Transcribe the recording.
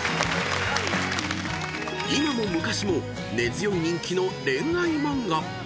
［今も昔も根強い人気の恋愛漫画］